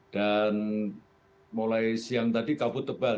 dan mulai siang tadi kabut tebal